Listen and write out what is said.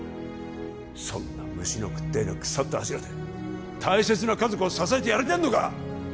そんな虫の食ったような腐った柱で大切な家族を支えてやれてんのか！？